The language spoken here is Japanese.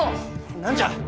何じゃ。